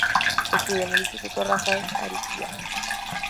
Estudio en el Instituto Rafael Ariztía.